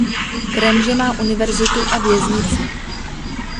Kremže má univerzitu a věznici.